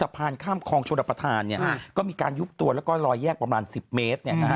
ผ่านข้ามคลองชนประธานก็มีการยุบตัวแล้วก็ลอยแยกประมาณ๑๐เมตร